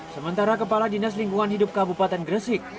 sementara kepala dinas lingkungan hidup kabupaten gresik